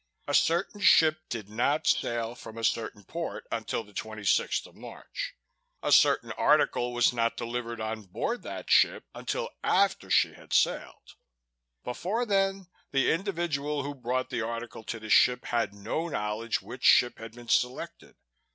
A certain ship did not sail from a certain port until the 26th of March. A certain article was not delivered on board that ship until after she had sailed. Before then, the individual who brought the article to the ship had no knowledge which ship had been selected.